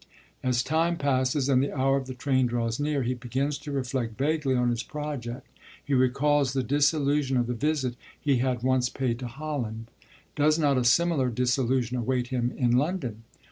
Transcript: As time passes, and the hour of the train draws near, he begins to reflect vaguely on his project; he recalls the disillusion of the visit he had once paid to Holland. Does not a similar disillusion await him in London?